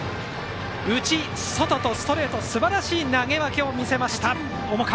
内、外とストレートすばらしい投げ分け、重川！